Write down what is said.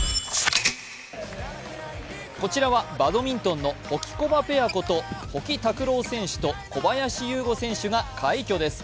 こちらはバドミントンのホキコバペアこと保木卓朗選手と小林優吾選手が快挙です。